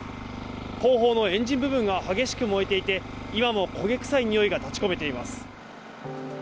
後方のエンジン部分が激しく燃えていて、今も焦げ臭いにおいが立ちこめています。